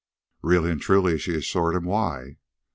"Really and truly," she assured him. "Why?"